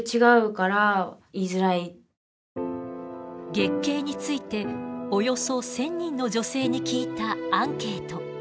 月経についておよそ１，０００人の女性に聞いたアンケート。